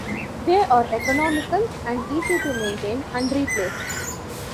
They are economical, and easy to maintain and replace.